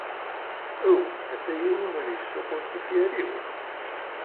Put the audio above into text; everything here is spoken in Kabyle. Aw! ata yiwen ur yessuqul tifyar-iw!